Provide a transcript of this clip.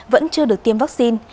vẫn chưa được tiêm vaccine